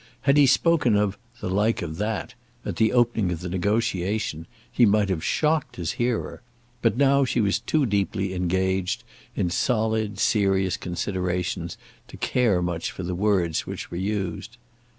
Had he spoken of the "like of that" at the opening of the negotiation, he might have shocked his hearer; but now she was too deeply engaged in solid serious considerations to care much for the words which were used.